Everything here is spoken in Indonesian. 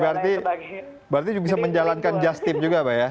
baik berarti bisa menjalankan just tip juga ya bapak ya